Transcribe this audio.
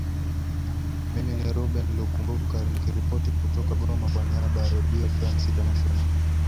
mimi ni rubeun lukumbuka nikiripoti kutoka goma kwa niaba ya redio france international